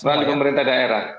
dari pemerintah daerah